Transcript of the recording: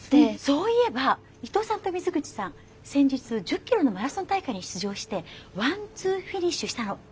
そういえば伊藤さんと水口さん先日１０キロのマラソン大会に出場してワンツーフィニッシュしたの。